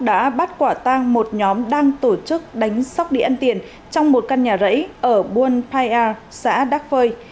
đã bắt quả tang một nhóm đang tổ chức đánh sóc đi ăn tiền trong một căn nhà rẫy ở buôn pai a xã đắk phơi